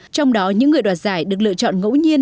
trong đó những người đoạt giải được lựa chọn ngẫu nhiên